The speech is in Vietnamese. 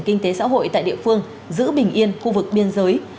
kinh tế xã hội tại địa phương giữ bình yên khu vực biên giới